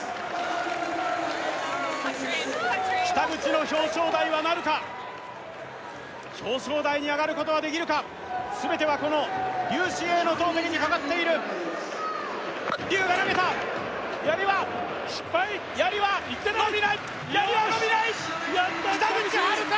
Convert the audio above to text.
北口の表彰台はなるか表彰台に上がることはできるか全てはこの劉詩穎の投てきにかかっている劉が投げたやりは失敗いってないやりはのびないやりはのびないよしやった北口北口榛花